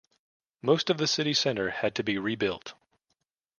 Most of the city centre had to be rebuilt.